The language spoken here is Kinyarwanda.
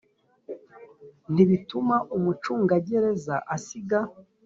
ntibituma umucungagereza asiga